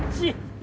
１。